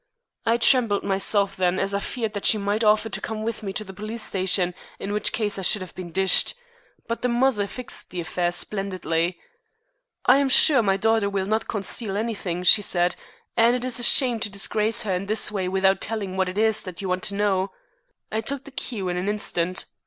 I trembled myself then, as I feared that she might offer to come with me to the police station, in which case I should have been dished. But the mother fixed the affair splendidly. 'I am sure my daughter will not conceal anything,' she said, 'and it is a shame to disgrace her in this way without telling what it is you want to know.' I took the cue in an instant.